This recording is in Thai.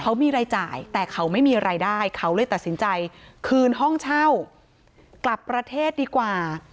เขามีรายจ่ายแต่เขาไม่มีรายได้เขาเลยตัดสินใจคืนห้องเช่ากลับประเทศดีกว่า